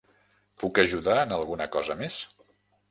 Puc ajudar en alguna cosa més?